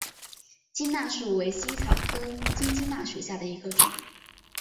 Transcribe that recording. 鸡纳树为茜草科金鸡纳属下的一个种。